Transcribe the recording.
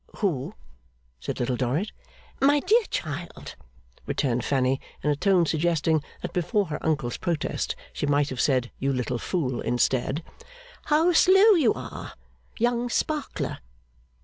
'Who?' said Little Dorrit. 'My dear child,' returned Fanny (in a tone suggesting that before her Uncle's protest she might have said, You little fool, instead), 'how slow you are! Young Sparkler.